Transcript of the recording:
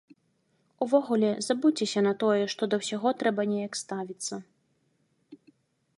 Увогуле, забудзьцеся на тое, што да ўсяго трэба неяк ставіцца.